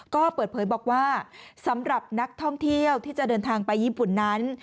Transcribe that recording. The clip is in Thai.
ก็เปิดเผยบอกว่าสำหรับนักท่องเที่ยวที่จะเดินทางไปญี่ปุ่นนั้น